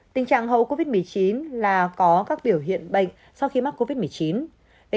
tình trạng hậu covid một mươi chín là có các biểu hiện bệnh sau khi mắc covid một mươi chín